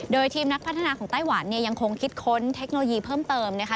โดยทีมนักพัฒนาของไต้หวันเนี่ยยังคงคิดค้นเทคโนโลยีเพิ่มเติมนะคะ